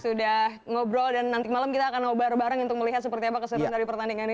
sudah ngobrol dan nanti malam kita akan nobar bareng untuk melihat seperti apa keseruan dari pertandingan ini